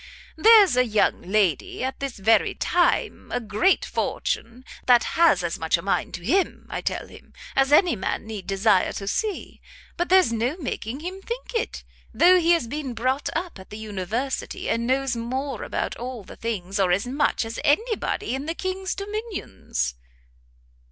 there's a young lady at this very time, a great fortune, that has as much a mind to him, I tell him, as any man need desire to see; but there's no making him think it! though he has been brought up at the university, and knows more about all the things, or as much, as any body in the king's dominions."